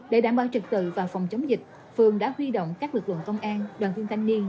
để đảm bảo trực tự và phòng chống dịch phường đã huy động các lực lượng công an đoàn viên thanh niên